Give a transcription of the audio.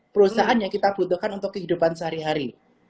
perusahaan yang kita butuhkan untuk kehidupan sehari hari